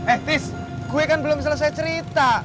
eh tis gue kan belum selesai cerita